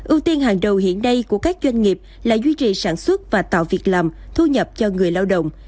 ưu tiên hàng đầu hiện nay của các doanh nghiệp là duy trì sản xuất và tạo việc làm thu nhập cho người lao động